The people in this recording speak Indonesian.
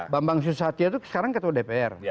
bambang susatyo itu sekarang ketua dpr